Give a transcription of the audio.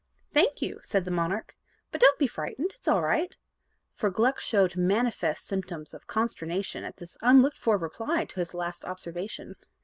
"Thank you," said the monarch; "but don't be frightened, it's all right"; for Gluck showed manifest symptoms of consternation at this unlooked for reply to his last observation.